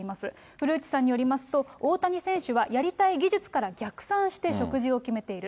古内さんによりますと、大谷選手は、やりたい技術から逆算して食事を決めている。